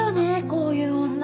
こういう女。